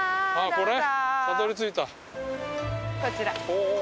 こちら。